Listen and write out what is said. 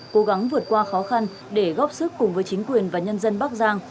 cố gắng vượt qua khó khăn để góp sức cùng với chính quyền và nhân dân bắc giang